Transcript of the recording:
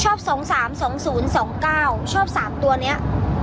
ชอบ๒๓๒๐๒๙ชอบ๓ตัวเนี่ย